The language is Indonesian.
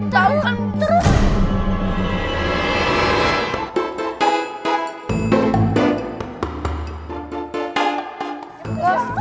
tau kan terus